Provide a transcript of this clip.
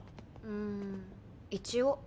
うん一応。